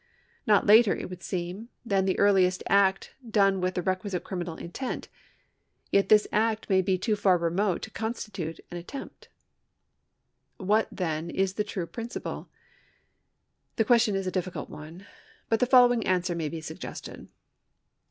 Not later, it would seem, than the earliest act done with the requisite criminal intent ; yet this act may be far too remote to constitute an attempt. What, then, is the true j^rinciple ? The question is a diffi cidt one, but the following answer may be suggested.